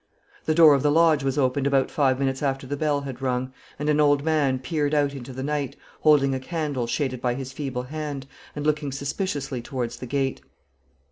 The door of the lodge was opened about five minutes after the bell had rung, and an old man peered out into the night, holding a candle shaded by his feeble hand, and looking suspiciously towards the gate.